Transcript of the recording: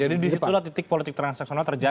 jadi disitulah titik politik transaksional terjadi